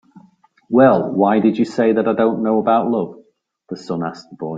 "Well, why did you say that I don't know about love?" the sun asked the boy.